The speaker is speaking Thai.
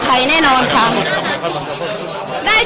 พี่ขอขออนุญาต